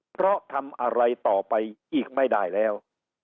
เพราะทำอะไรต่อไปอีกไม่ได้แล้ว